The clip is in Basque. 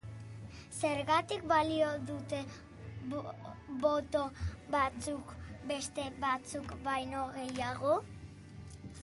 Zergatik balio dute boto batzuk beste batzuk baino gehiago?